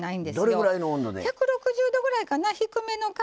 どれぐらいの温度で？